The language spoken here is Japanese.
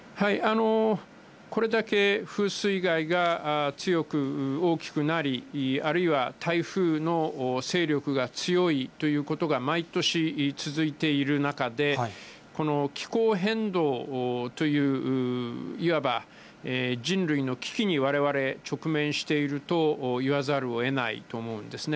これだけ風水害が強く大きくなり、あるいは台風の勢力が強いということが毎年続いている中で、この気候変動という、いわば人類の危機にわれわれ、直面していると言わざるをえないと思うんですね。